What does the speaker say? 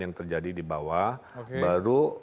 yang terjadi di bawah baru